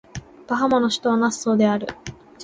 バハマの首都はナッソーである